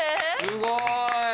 すごーい。